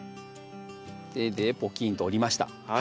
手でポキンと折りました。